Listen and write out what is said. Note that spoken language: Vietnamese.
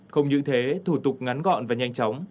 không những thế thủ tục ngắn gọn và nhanh chóng